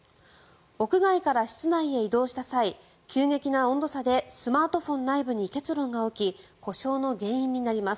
屋外から室内へ移動した際急激な温度差でスマートフォン内部に結露が起き故障の原因になります。